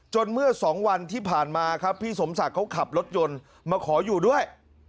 เมื่อ๒วันที่ผ่านมาครับพี่สมศักดิ์เขาขับรถยนต์มาขออยู่ด้วย